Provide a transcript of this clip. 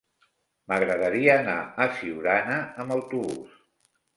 M'agradaria anar a Siurana amb autobús.